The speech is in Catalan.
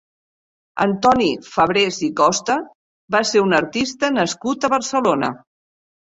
Antoni Fabrés i Costa va ser un artista nascut a Barcelona.